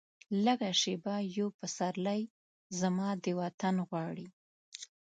لږه شیبه یو پسرلی، زما د وطن غواړي